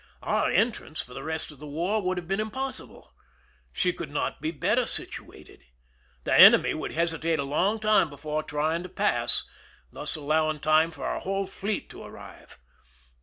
Our entrance for the rest of the war would have been impossible. She could not be better situated. The enemy would hesitate a long time before trying to pass, thus allowing time for our whole fleet to arrive.